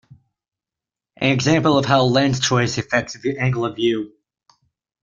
An example of how lens choice affects angle of view.